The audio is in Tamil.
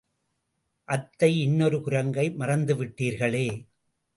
அத்தை, இன்னொரு குரங்கை மறந்துவிட்டீர்களே!